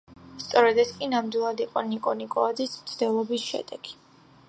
სწორედ ეს კი ნამდვილად იყო, ნიკო ნიკოლაძის მცდელობის შედეგი.